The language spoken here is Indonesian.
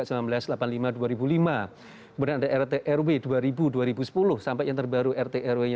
kemudian ada rt rw dua ribu dua ribu sepuluh sampai yang terbaru rt rw nya dua ribu sepuluh dua ribu tiga puluh